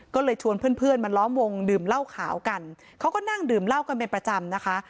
ก็เลยชวนเพื่อนเพื่อนมาล้อมวงดื่มเหล้าขาวกันเขาก็นั่งดื่มเหล้ากันเป็นประจำนะคะ